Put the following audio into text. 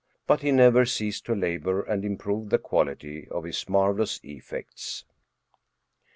But he never ceased to labor and improve the quality of his xxiarvelous effects.